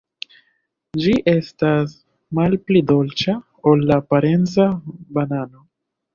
Ĝi estas malpli dolĉa ol la parenca banano.